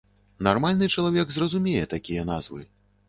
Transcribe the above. Нармальны чалавек зразумее такія назвы.